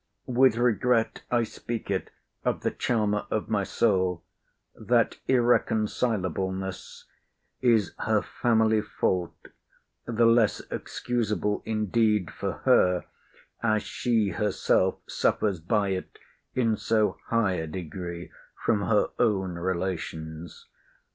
With regret I speak it of the charmer of my soul, that irreconcilableness is her family fault—the less excusable indeed for her, as she herself suffers by it in so high a degree from her own relations.